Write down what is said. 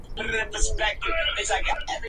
Está en proceso de beatificación en la Santa Sede.